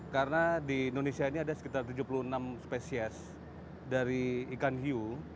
karena di indonesia ini ada sekitar tujuh puluh enam spesies dari ikan hiu